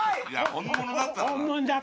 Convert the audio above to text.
本物だったらね。